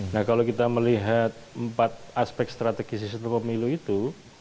nah kalau kita melihat empat aspek strategis sistem pemilu itu